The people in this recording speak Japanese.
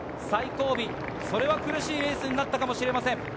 最後尾、それは苦しいレースになったかもしれません。